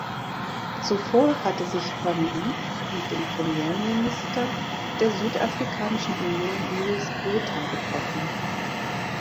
Zuvor hatte sich van Wyk mit dem Premierminister der Südafrikanischen Union Louis Botha getroffen.